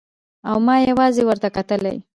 او ما يوازې ورته کتلای.